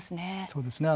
そうですね。